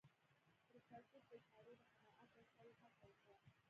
پروفيسر په اشارو د قناعت ورکولو هڅه وکړه.